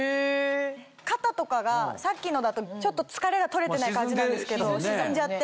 肩とかがさっきのだとちょっと疲れが取れてない感じなんですけど沈んじゃって。